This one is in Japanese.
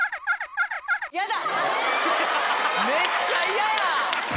やだ。